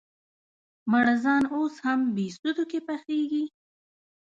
مړزان اوس هم بهسودو کې پخېږي؟